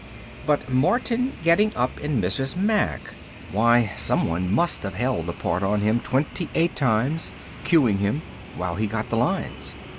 But Martin getting up in Mrs. Mack. Why, someone must have held the part on him twenty eight times, cueing him, while he got the lines.